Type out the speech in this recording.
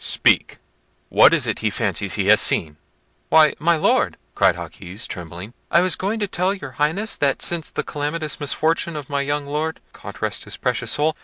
Speak; what is it he fancies he has seen?" "Why, my Lord," replied Jaquez, trembling, "I was going to tell your Highness, that since the calamitous misfortune of my young Lord, God rest his precious soul!